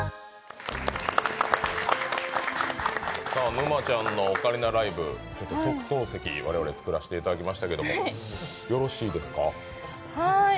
沼ちゃんのオカリナライブ、特等席、我々作らさせていただきましたけどよろしいですか？